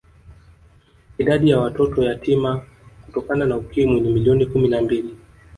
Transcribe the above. Idadi ya watoto yatima Kutokana na Ukimwi ni milioni kumi na mbili